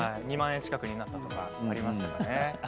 ２万円近くになったとかありましたね。